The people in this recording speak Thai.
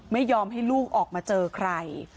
ไม่ยอมให้ลูกออกมาเจอใคร